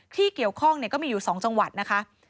ที่เกี่ยวข้องก็มีอยู่๒จังหวัดนะคะ